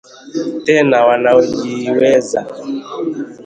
tena wanaojiweza?